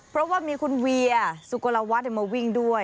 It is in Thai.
เพราะว่ามีคุณเวียสุโกลวัฒน์มาวิ่งด้วย